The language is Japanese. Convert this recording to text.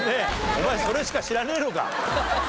お前それしか知らねえのか？